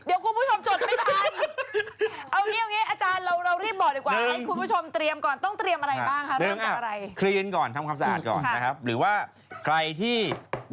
เอาอย่างนี้เดี๋ยวคุณผู้ชมจดไหมทาย